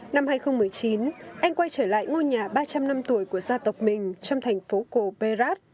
năm hai nghìn một mươi chín anh quay trở lại ngôi nhà ba trăm linh năm tuổi của gia tộc mình trong thành phố cổ perat